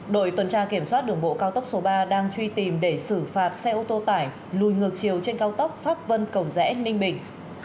đội tuần tra kiểm soát đường bộ cao tốc số ba đang truy tìm để xử phạt xe ô tô tải lùi ngược chiều trên cao tốc pháp vân cầu rẽ ninh bình